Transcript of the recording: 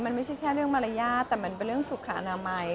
มันไม่ใช่แค่เรื่องมารยาทแต่มันเป็นเรื่องสุขอนามัย